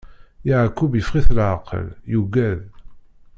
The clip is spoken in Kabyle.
Yeɛqub iffeɣ-it leɛqel, yugad.